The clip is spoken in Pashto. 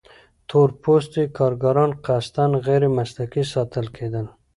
تور پوستي کارګران قصداً غیر مسلکي ساتل کېدل.